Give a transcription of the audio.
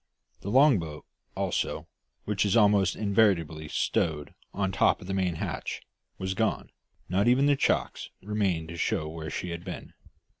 The long boat, also, which is almost invariably stowed on top of the main hatch, was gone, not even the chocks remaining to show where she had been.